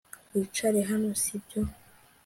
Wicare hano sibyo